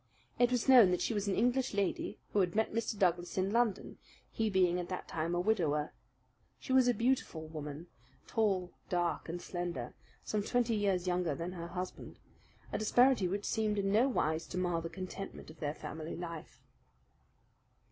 It was known that she was an English lady who had met Mr. Douglas in London, he being at that time a widower. She was a beautiful woman, tall, dark, and slender, some twenty years younger than her husband; a disparity which seemed in no wise to mar the contentment of their family life.